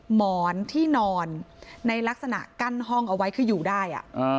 หมอนที่นอนในลักษณะกั้นห้องเอาไว้คืออยู่ได้